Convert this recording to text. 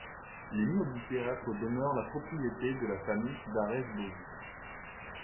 Les murs du théâtre demeurent la propriété de la famille Darès-Bossis.